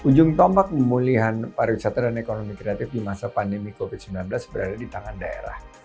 ujung tombak pemulihan pariwisata dan ekonomi kreatif di masa pandemi covid sembilan belas berada di tangan daerah